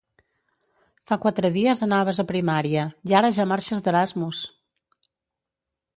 Fa quatre dies anaves a primària i ara ja marxes d'Erasmus!